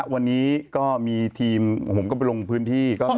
วันนี้ก็มีทีมผมก็ไปลงพื้นที่